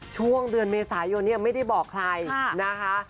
ช่วงเดือนเมษายนเนี่ยไม่ได้บอกใครนะคะ